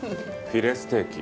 フィレステーキ。